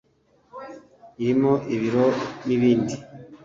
irimo ibiro n’ibindi